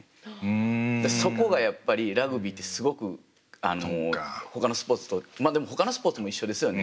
そこがやっぱりラグビーってすごくほかのスポーツとまあでもほかのスポーツも一緒ですよね。